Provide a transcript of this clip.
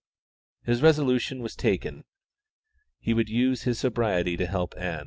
His resolution was taken he would use his sobriety to help Ann.